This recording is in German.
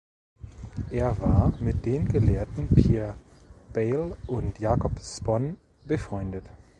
Er war mit den Gelehrten Pierre Bayle und Jacob Spon befreundet.